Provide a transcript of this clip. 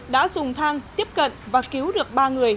đã dùng thang tiếp cận và cứu được ba người